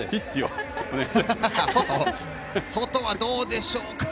外はどうでしょうか。